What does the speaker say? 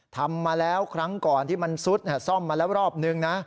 ทำมาแล้วครั้งก่อนที่มันซุดซ่อมมาแล้วรอบนึงนะ